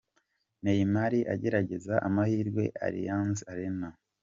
Neymar agerageza amahirwe i Allianz Arena.